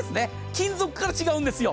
金属から違うんですよ。